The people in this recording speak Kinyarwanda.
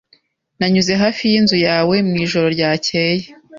Nanyuze hafi yinzu yawe mwijoro ryakeye.